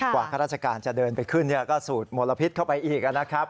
ข้าราชการจะเดินไปขึ้นก็สูดมลพิษเข้าไปอีกนะครับ